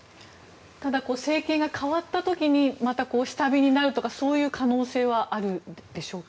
ただ、政権が代わった時にまた下火になるとかそういう可能性はあるんでしょうか？